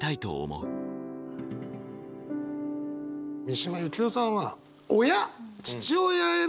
三島由紀夫さんは親父親への反抗期。